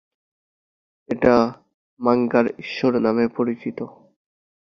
এটা মাঙ্গার ঈশ্বর নামে পরিচিত।